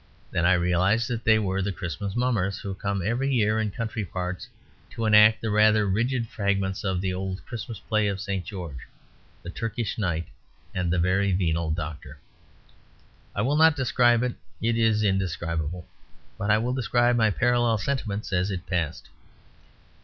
Then I realised that they were the Christmas Mummers, who come every year in country parts to enact the rather rigid fragments of the old Christmas play of St. George, the Turkish Knight, and the Very Venal Doctor. I will not describe it; it is indescribable; but I will describe my parallel sentiments as it passed.